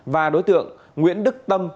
và đối tượng nguyễn đức tâm